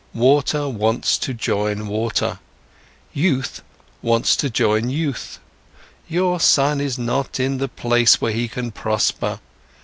Water wants to join water, youth wants to join youth, your son is not in the place where he can prosper.